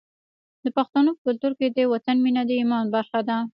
د پښتنو په کلتور کې د وطن مینه د ایمان برخه ده.